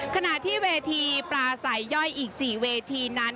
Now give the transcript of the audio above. ขณะที่เวทีปลาใสย่อยอีก๔เวทีนั้น